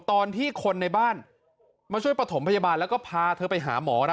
ตอนที่คนในบ้านมาช่วยประถมพยาบาลแล้วก็พาเธอไปหาหมอนะ